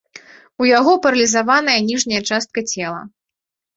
У яго паралізаваная ніжняя частка цела.